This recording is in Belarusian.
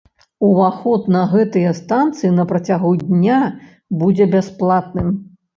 Уваход на гэтыя станцыі на працягу дня будзе бясплатным.